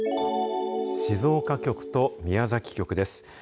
静岡局と宮崎局です。